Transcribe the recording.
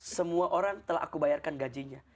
semua orang telah aku bayarkan gajinya